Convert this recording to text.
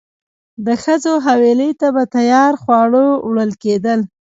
د ښځو حویلۍ ته به تیار خواړه وروړل کېدل.